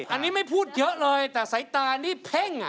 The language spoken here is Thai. อันนี้ไม่พูดเยอะเลยแต่สายตานี่เพ่ง